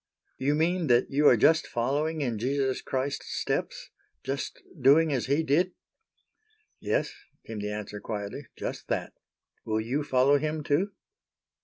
"You mean then that you are just following in Jesus Christ's steps—just doing as He did?" "Yes," came the answer quietly, "just that. Will you follow Him too?"